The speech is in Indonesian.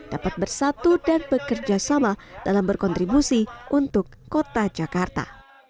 dapat bersatu dan bekerja sama dalam berkontribusi untuk kota jakarta